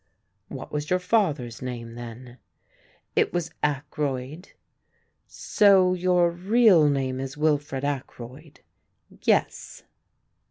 "What was your father's name then?" "It was Ackroyd." "So your real name is Wilfred Ackroyd?" "Yes."